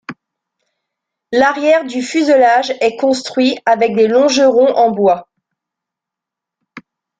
L'arrière du fuselage est construit avec des longerons en bois.